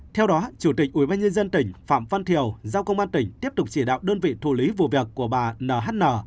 theo đó chủ tịch ủy ban nhân dân tỉnh phạm văn thiều giao công an tỉnh tiếp tục chỉ đạo đơn vị thủ lý vụ việc của bà nhn